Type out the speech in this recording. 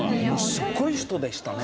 すごい人でしたね。